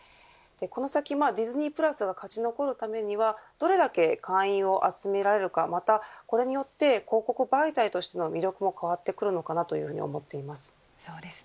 この先、ディズニープラスが勝ち残るためにはどれだけ会員を集められるかまたこれによって広告媒体として魅力も変わってくるのかなと思っています。